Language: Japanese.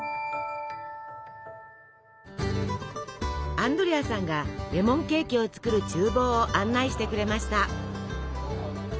アンドレアさんがレモンケーキを作るちゅう房を案内してくれました。